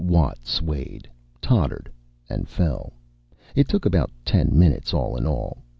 Watt swayed, tottered and fell. It took about ten minutes, all in all.